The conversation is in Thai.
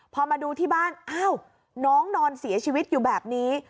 พอมาดูที่บ้านอ้าวน้องนอนเสียชีวิตอยู่แบบนี้